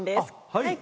はい。